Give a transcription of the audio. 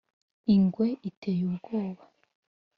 Ingwe iteye ubwoba